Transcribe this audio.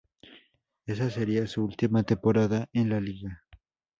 Esa sería su última temporada en la liga.